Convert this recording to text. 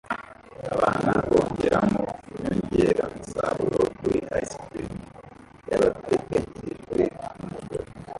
Abana bongeramo inyongeramusaruro kuri ice cream yabateganyirijwe numugore